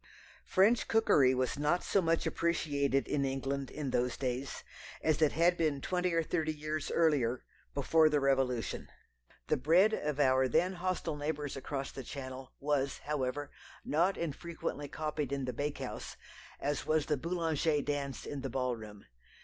French cookery was not so much appreciated in England in those days as it had been twenty or thirty years earlier, before the Revolution. The bread of our then hostile neighbours across the Channel was, however, not infrequently copied in the bakehouse, as was the Boulanger dance in the ball room.